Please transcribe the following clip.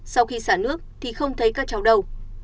sau khi xả nước thì không thấy các cháu đâu